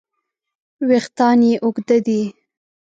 وېښتیان یې اوږده دي.